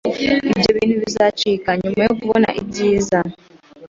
Ibyo bintu bizacika nyuma yo kubona ibyiza